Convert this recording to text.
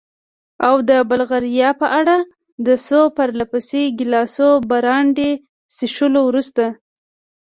او د بلغاریا په اړه؟ د څو پرله پسې ګیلاسو برانډي څښلو وروسته.